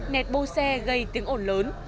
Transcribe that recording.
nẹt bô xe gây tiếng ổn lớn